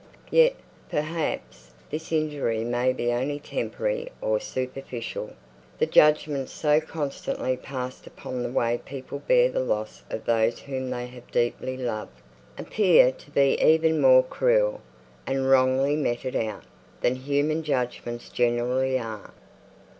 Yet, perhaps, this injury may be only temporary or superficial; the judgments so constantly passed upon the way in which people bear the loss of those whom they have deeply loved, appear to be even more cruel, and wrongly meted out, than human judgments generally are.